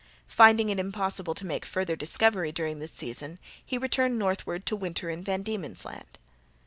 Finding it impossible to make further discovery during this season, he returned northward to winter in Van Diemen's Land.